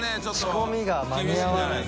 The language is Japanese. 仕込みが間に合わない。